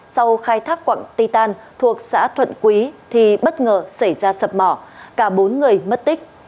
sau khai thác quạng ti tàn thuộc xã thuận quý thì bất ngờ xảy ra sập mỏ cả bốn người mất tích